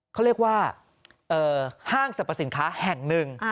เขาเรียกว่าห้างสรรพสินค้าแห่งหนึ่ง